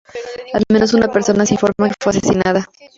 Al menos una persona se informa que fue asesinada.